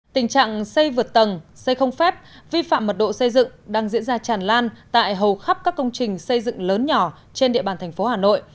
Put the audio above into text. tình trạng xây vượt tầng xây không phép vi phạm mật độ xây dựng đang diễn ra tràn lan tại hầu khắp các công trình xây dựng lớn nhỏ trên địa bàn thành phố hà nội